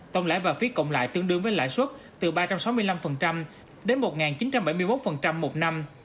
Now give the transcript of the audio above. tổng lãi và phí cộng lại tương đương với lãi suất từ ba trăm sáu mươi năm đến một chín trăm bảy mươi một một năm